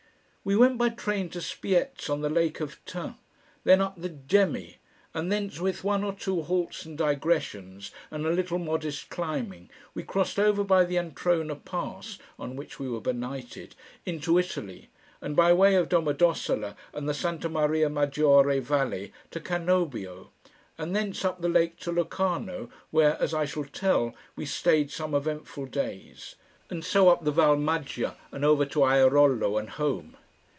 We went by train to Spiez on the Lake of Thun, then up the Gemmi, and thence with one or two halts and digressions and a little modest climbing we crossed over by the Antrona pass (on which we were benighted) into Italy, and by way of Domo D'ossola and the Santa Maria Maggiore valley to Cannobio, and thence up the lake to Locarno (where, as I shall tell, we stayed some eventful days) and so up the Val Maggia and over to Airolo and home.